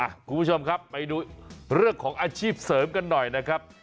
คุณผู้ชมครับไปดูเรื่องของอาชีพเสริมกันหน่อยนะครับ